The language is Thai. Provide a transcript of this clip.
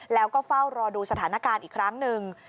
แล้วก็เฝ้ารอดูสถานการณ์อีกครั้งหนึ่ง